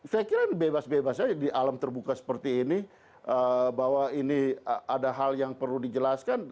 saya kira bebas bebas saja di alam terbuka seperti ini bahwa ini ada hal yang perlu dijelaskan